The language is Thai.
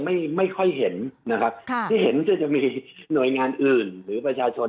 สวัสดีครับทุกคน